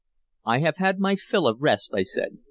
"I have had my fill of rest," I said.